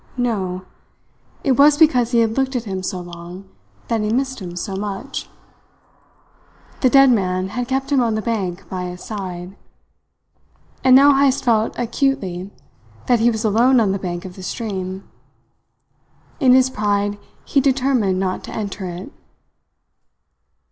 No! It was because he had looked at him so long that he missed him so much. The dead man had kept him on the bank by his side. And now Heyst felt acutely that he was alone on the bank of the stream. In his pride he determined not to enter it.